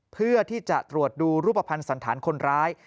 เพื่อที่จะตรวจดูรูปภัณฑ์สันธารคนร้าย